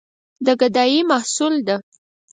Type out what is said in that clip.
د ګدايي محصول ده.